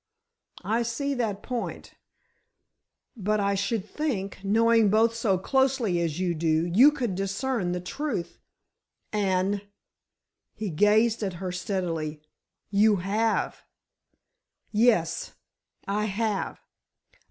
'" "I see that point; but I should think, knowing both so closely as you do, you could discern the truth—and"—he gazed at her steadily—"you have." "Yes—I have.